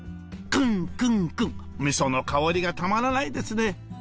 クンクンクンみその香りがたまらないですね。